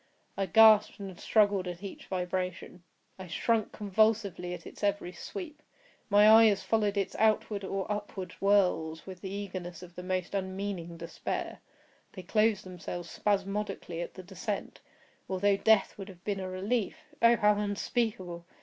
I gasped and struggled at each vibration. I shrunk convulsively at its every sweep. My eyes followed its outward or upward whirls with the eagerness of the most unmeaning despair; they closed themselves spasmodically at the descent, although death would have been a relief, oh, how unspeakable!